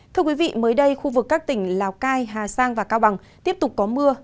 thưa quý vị mới đây khu vực các tỉnh lào cai hà giang và cao bằng tiếp tục có mưa